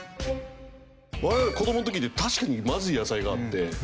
我々子どもの時に確かにまずい野菜があって。